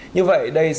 như vậy đây sẽ